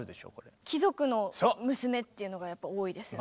「貴族の娘」っていうのがやっぱ多いですね。